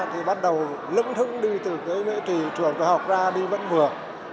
thì bắt đầu lững thững đi từ cái mỹ trì trường tôi học ra đi vẫn vừa